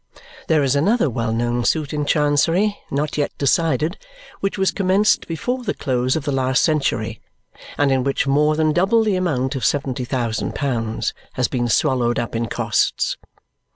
There is another well known suit in Chancery, not yet decided, which was commenced before the close of the last century and in which more than double the amount of seventy thousand pounds has been swallowed up in costs.